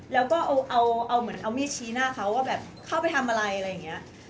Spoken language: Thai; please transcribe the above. แล้วก็เอาเหมือนเอามีดชี้หน้าเขาว่าแบบเข้าไปทำอะไรอะไรอย่างนี้